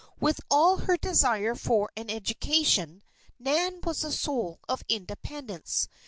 With all her desire for an education, Nan was the soul of independence.